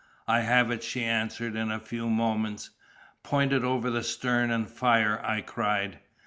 "I have it," she answered, in a few moments. "Point it over the stern and fire!" I cried.